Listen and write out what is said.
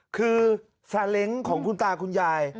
คือซาเล้งของคุณตาคุณยาย